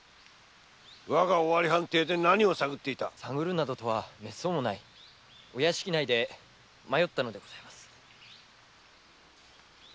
わが尾張藩邸で何を探っていた探るなどとはめっそうもないお屋敷内で迷ったのです。